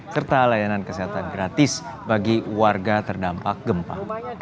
serta layanan kesehatan gratis bagi warga terdampak gempa